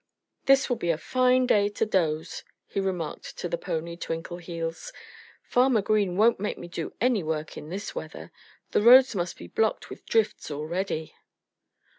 "This will be a fine day to doze," he remarked to the pony, Twinkleheels. "Farmer Green won't make me do any work in this weather. The roads must be blocked with drifts already."